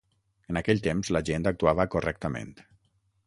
En aquell temps la gent actuava correctament.